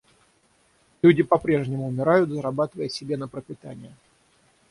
Люди по-прежнему умирают, зарабатывая себе на пропитание.